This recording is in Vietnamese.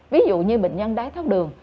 ví dụ như bệnh nhân đái tháo đường